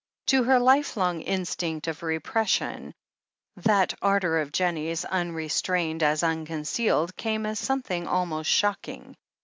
To her life long instinct of repression, that ardour of Jennie's, unrestrained as unconcealed, came as some thing almost shocking.